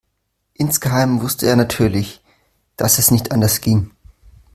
Insgeheim wusste er natürlich, dass es nicht anders ging.